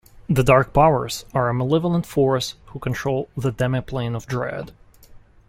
The Dark Powers are a malevolent force who control the Demiplane of Dread.